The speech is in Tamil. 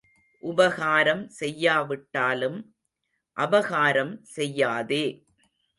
உபகாரம் செய்யாவிட்டாலும் அபகாரம் செய்யாதே.